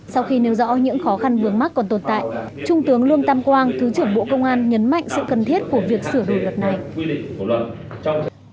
sau khi nêu rõ những khó khăn vướng mắt còn tồn tại trung tướng lương tam quang thứ trưởng bộ công an nhấn mạnh sự cần thiết của việc sửa đổi luật này